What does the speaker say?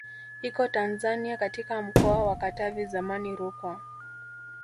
Iko Tanzania katika mkoa wa Katavi zamani Rukwa